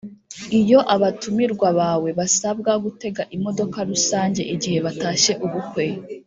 Iyo abatumirwa bawe basabwa gutega imodoka rusange igihe batashye ubukwe